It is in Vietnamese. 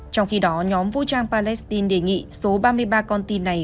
trong khi đó nhóm vũ trang palestine đề nghị số ba mươi ba con tin này